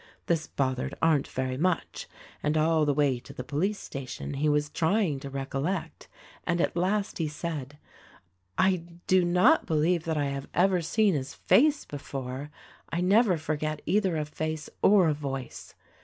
This bothered Arndt very much, and all the way to the police station he was trying to recollect; and at last he said, "I do not believe that I have ever seen his face before : I never forget either a face or a voice."